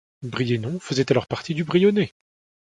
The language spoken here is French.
Briennon faisait alors partie du Brionnais.